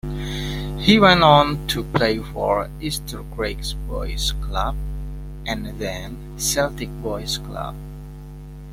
He went on to play for Eastercraigs Boys' Club and then Celtic Boys Club.